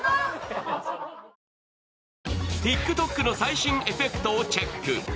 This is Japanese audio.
ＴｉｋＴｏｋの最新エフェクトをチェック。